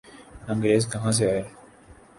انگریز کہاں سے آئے؟